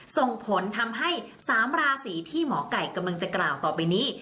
ส่งผลทำให้๓ราศีที่หมอไก่กำลังจะกล่าวต่อไปนี้